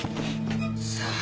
さあ。